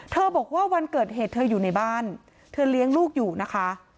บอกว่าวันเกิดเหตุเธออยู่ในบ้านเธอเลี้ยงลูกอยู่นะคะ